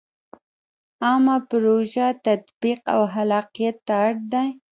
عامه پروژو تطبیق او خلاقیت ته اړ دی.